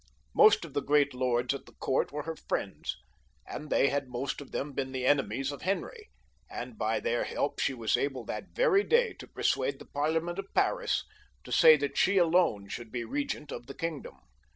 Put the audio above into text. Most of the great lords at the court were her friends, as they had most of them been the enemies of Henry, and by their help she was able that very day to persuade the Parlia ment of Paris to say that she alone should be regent of the kingdom.